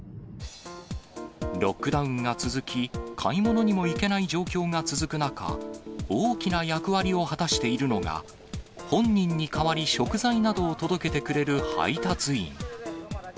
ロックダウンが続き、買い物にも行けない状況が続く中、大きな役割を果たしているのが、本人に代わり、食材などを届けてくれる配達員。